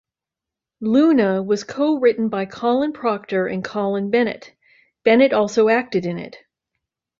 "Luna" was co-written by Colin Prockter and Colin Bennett; Bennett also acted in it.